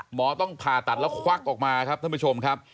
หมอต้องผ่าตัดแล้วควักออกมาครับท่านผู้ชมครับ